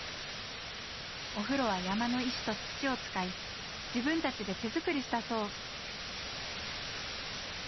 お風呂は山の石と土を使い自分たちで手作りしたそう。